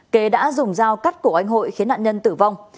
kế đã dùng dao cắt cổ anh hội khiến nạn nhân tử vong